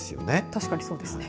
確かにそうですね。